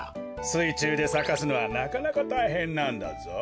すいちゅうでさかすのはなかなかたいへんなんだぞ。